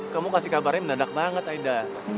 kamu kasih kabarnya mendadak banget aida